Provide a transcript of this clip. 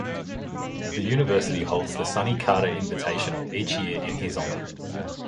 The university holds The Sonny Carter Invitational each year in his honor.